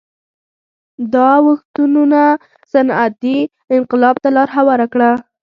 دا اوښتونونه صنعتي انقلاب ته لار هواره کړه